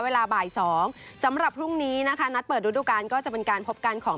เวลาบ่ายสองสำหรับพรุ่งนี้นะคะนัดเปิดฤดูการก็จะเป็นการพบกันของ